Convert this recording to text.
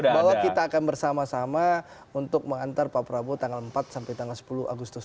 bahwa kita akan bersama sama untuk mengantar pak prabowo tanggal empat sampai tanggal sepuluh agustus